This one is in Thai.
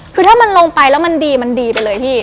คือถ้ามันลงไปแล้วมันดีมันดีไปเลยพี่